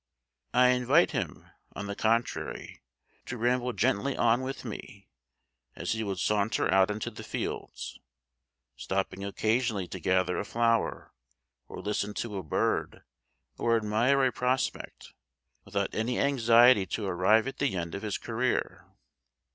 I invite him, on the contrary, to ramble gently on with me, as he would saunter out into the fields, stopping occasionally to gather a flower, or listen to a bird, or admire a prospect, without any anxiety to arrive at the end of his career.